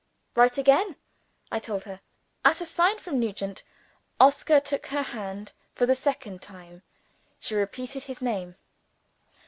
"Right again," I told her. At a sign from Nugent, Oscar took her hand for the second time. She repeated his name.